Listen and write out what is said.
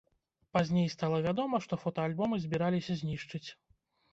Пазней стала вядома, што фотаальбомы збіраліся знішчыць.